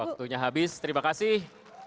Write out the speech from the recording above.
waktunya habis terima kasih